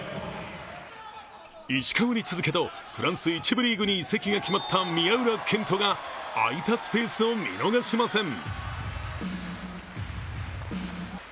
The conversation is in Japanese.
石川に続けとフランス１部リーグに移籍が決まった宮浦健人が空いたスペースを見逃しません。